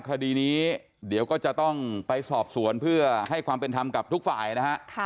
คดีนี้เดี๋ยวก็จะต้องไปสอบสวนเพื่อให้ความเป็นธรรมกับทุกฝ่ายนะฮะ